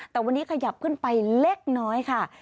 แต่วันนี้ขยับขึ้นไปเล็กน้อยค่ะ